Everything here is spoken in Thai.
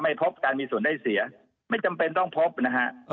พบการมีส่วนได้เสียไม่จำเป็นต้องพบนะฮะ